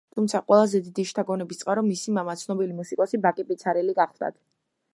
თუმცა ყველაზე დიდი შთაგონების წყარო მისი მამა, ცნობილი მუსიკოსი ბაკი პიცარელი გახლდათ.